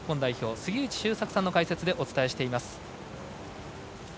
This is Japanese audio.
杉内周作さんの解説でお伝えしています。